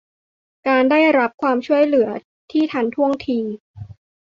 การได้รับความช่วยเหลือที่ทันท่วงที